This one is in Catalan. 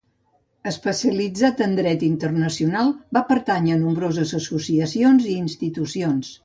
Especialitzat en dret internacional, va pertànyer a nombroses associacions i institucions.